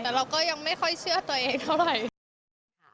แต่เราก็ยังไม่ค่อยเชื่อตัวเองเท่าไหร่